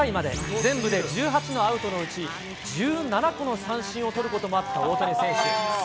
全部で１８のアウトのうち、１７個の三振を取ることもあった大谷選手。